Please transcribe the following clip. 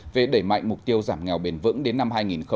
về đẩy mạnh mục tiêu giảm nghèo bền vững đến năm hai nghìn ba mươi